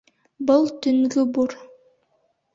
Был төнгө бур...